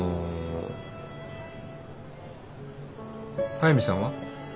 速見さんは？